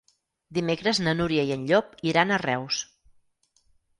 Dimecres na Núria i en Llop iran a Reus.